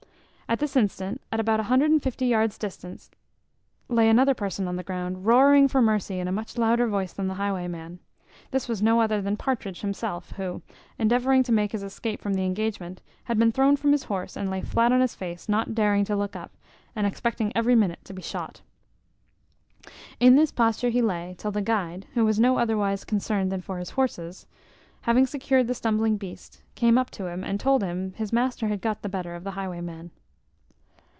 At this instant, at about a hundred and fifty yards' distance, lay another person on the ground, roaring for mercy in a much louder voice than the highwayman. This was no other than Partridge himself, who, endeavouring to make his escape from the engagement, had been thrown from his horse, and lay flat on his face, not daring to look up, and expecting every minute to be shot. In this posture he lay, till the guide, who was no otherwise concerned than for his horses, having secured the stumbling beast, came up to him, and told him his master had got the better of the highwayman.